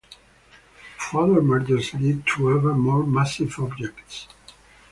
Further mergers lead to ever more massive objects.